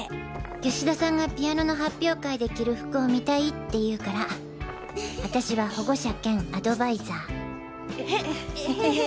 吉田さんがピアノの発表会で着る服を見たいっていうから私は保護者兼アドバイザー。へへぇ。